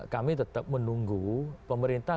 kami tetap menunggu pemerintah